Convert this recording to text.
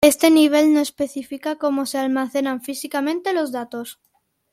Este nivel no especifica cómo se almacenan físicamente los datos.